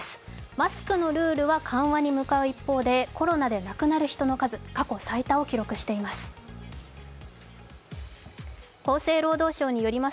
マスクのルールは緩和に向かう一方で、コロナで亡くなる人の数、過去最多を記録しています。